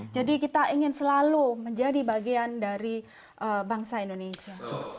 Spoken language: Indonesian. jadi kita ingin selalu menjadi bagian dari bangsa indonesia